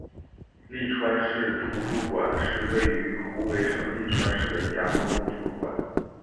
利川市图书馆是位于湖北省利川市的一家公共图书馆。